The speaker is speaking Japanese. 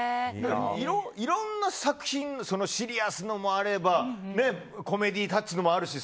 いろんな作品シリアスなものもあればコメディータッチのもあるし。